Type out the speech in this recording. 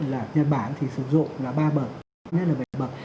là nhật bản thì sử dụng là ba bậc